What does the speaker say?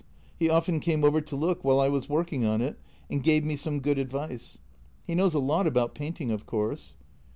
He often came over to look while I was working on it, and gave me some good advice. He knows a lot about painting, of course."